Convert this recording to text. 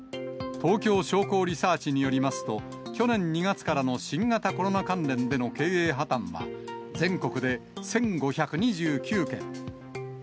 東京商工リサーチによりますと、去年２月からの新型コロナ関連での経営破綻は、全国で１５２９件。